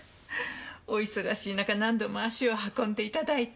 お忙しい中何度も足を運んでいただいて。